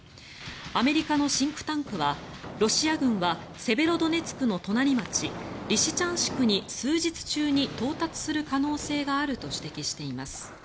アメリカのシンクタンクはロシア軍はセベロドネツクの隣町リシチャンシクに数日中に到達する可能性があると指摘しています。